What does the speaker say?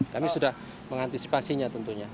kami sudah mengantisipasinya tentunya